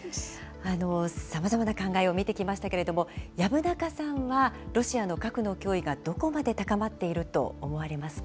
さまざまな考えを見てきましたけれども、薮中さんはロシアの核の脅威がどこまで高まっていると思われますか。